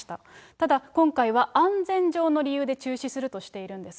ただ、今回は安全上の理由で中止するとしているんです。